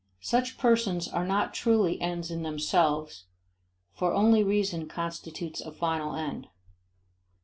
Such persons are not truly ends in themselves, for only reason constitutes a final end.